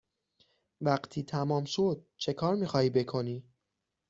وقتی تمام شد چکار می خواهی بکنی؟